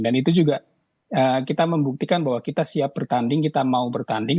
dan itu juga kita membuktikan bahwa kita siap bertanding kita mau bertanding